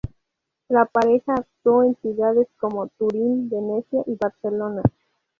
La pareja actuó en ciudades como Turín, Venecia y Barcelona.